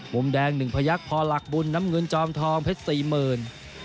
มุมแดง๑พยักษ์พอหลักบุญน้ำเงินจอมทองเพชรสี่หมื่น